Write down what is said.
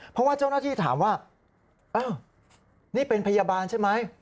เพราะว่าเจ้าหน้าที่ถามว่าอ้าวนี่เป็นพยาบาลใช่ไหม